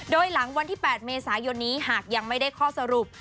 โดยหลังวันที่๘เมษายนนี้หากยังไม่ได้ข้อสรุป